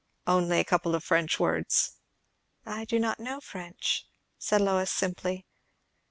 "Only a couple of French words." "I do not know French," said Lois simply.